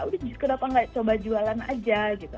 udah justru ke depan coba jualan aja gitu